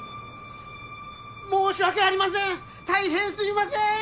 申し訳ありませんたいへんすいません！